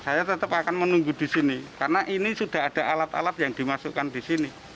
saya tetap akan menunggu di sini karena ini sudah ada alat alat yang dimasukkan di sini